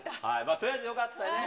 とりあえずよかったね。